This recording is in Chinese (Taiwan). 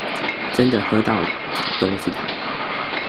真的喝到底都是糖